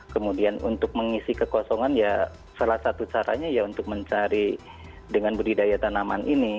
kemudian untuk mengisi kekosongan ya salah satu caranya ya untuk mencari dengan budidaya tanaman ini